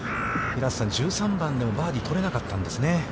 平瀬さん、１３番でもバーディーとれなかったんですね。